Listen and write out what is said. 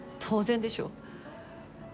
当然でしょ。